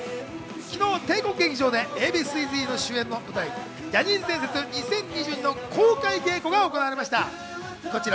昨日、帝国劇場でＡ．Ｂ．Ｃ−Ｚの主演の舞台『ジャニーズ伝説２０２２』の公開稽古が行われました。